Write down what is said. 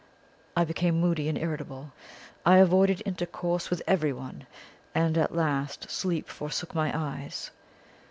I became moody and irritable; I avoided intercourse with everyone, and at last sleep forsook my eyes.